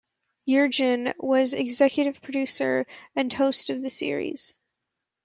Yergin was executive producer and host of the series.